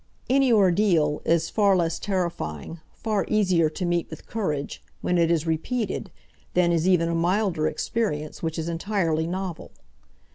Any ordeal is far less terrifying, far easier to meet with courage, when it is repeated, than is even a milder experience which is entirely novel.